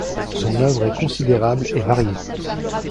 Son œuvre est considérable et variée.